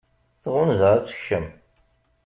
Tɣunza ad tekcem.